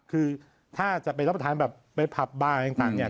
คือถ้าจะไปรับประทานแบบไปผับบาร์ต่างเนี่ย